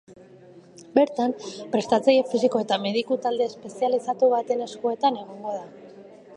Bertan, prestatzaile fisiko eta mediku talde espezializatu baten eskuetan egongo da.